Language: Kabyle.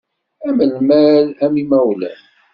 Am lmal, am imawlan.